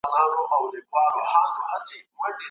وروستۍ رڼا به دې د شپې زړه ته در ورسوم